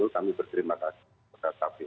kami berterima kasih